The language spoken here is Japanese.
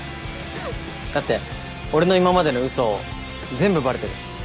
だって俺の今までの嘘全部バレてる。